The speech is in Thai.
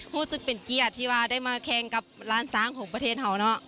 รู้สึกเป็นเกียรติที่ว่าได้มาแข่งกับร้านสร้างของประเทศเห่าเนาะ